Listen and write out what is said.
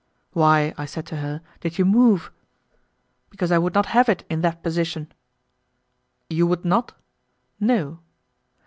"Why," I said to her, "did you move?" "Because I would not have it in that position." "You would not?" "No."